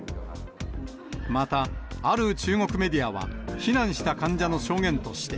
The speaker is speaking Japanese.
また、ある中国メディアは、避難した患者の証言として、